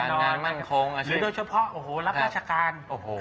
การงานมั่งคงอาชีพหรือโดยเฉพาะโอ้โหรับราชการ